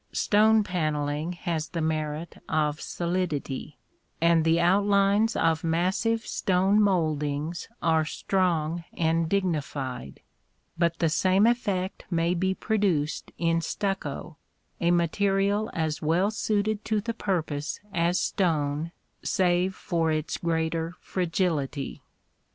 Stone panelling has the merit of solidity, and the outlines of massive stone mouldings are strong and dignified; but the same effect may be produced in stucco, a material as well suited to the purpose as stone, save for its greater fragility.